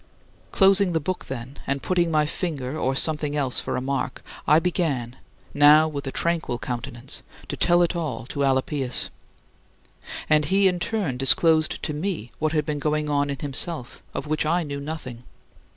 30. Closing the book, then, and putting my finger or something else for a mark I began now with a tranquil countenance to tell it all to Alypius. And he in turn disclosed to me what had been going on in himself, of which I knew nothing.